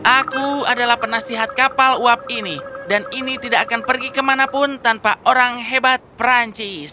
aku adalah penasihat kapal uap ini dan ini tidak akan pergi kemanapun tanpa orang hebat perancis